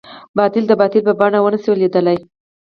باطل د باطل په بڼه ونه شي ليدلی.